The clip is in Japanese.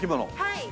はい。